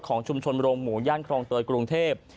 ของชุมชนบริโรงมูลย่านครองเตยกรุงเทพ